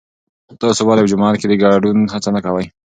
تاسو ولې په جماعت کې د ګډون هڅه نه کوئ؟